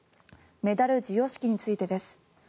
メダル授与式についてです。